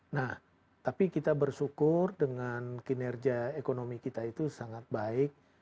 nah tapi kita bersyukur dengan kinerja ekonomi kita itu sangat baik